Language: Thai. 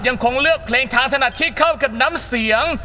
ยังคงเลือกเพลงทางถนัดที่เข้ากับน้ำเสียง